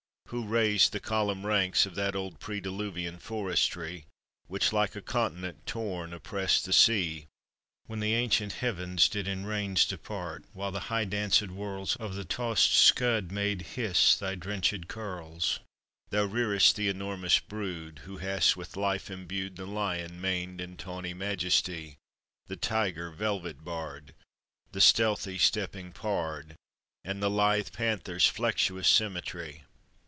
Who raised the columned ranks Of that old pre diluvian forestry, Which like a continent torn oppressed the sea, When the ancient heavens did in rains depart, While the high dancèd whirls Of the tossed scud made hiss thy drenchèd curls? Thou rear'dst the enormous brood; Who hast with life imbued The lion maned in tawny majesty, The tiger velvet barred, The stealthy stepping pard, And the lithe panther's flexuous symmetry.